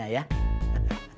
makasih ya bang